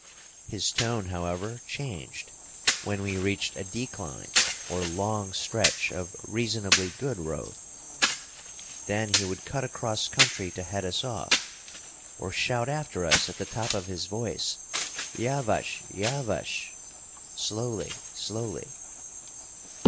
His tone, however, changed when we reached a decline or long stretch of reasonably good road. Then he would cut across country to head us off, or shout after us at the top of his voice, "Yavash yavash" ("Slowly, slowly").